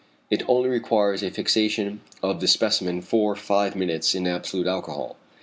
It only requires a fixation of the specimen for five minutes in absolute alcohol.